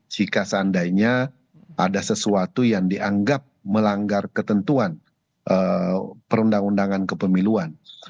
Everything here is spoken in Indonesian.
jika seandainya ada sesuatu yang dianggap melanggar ketentuan perundang undangan kepemiluan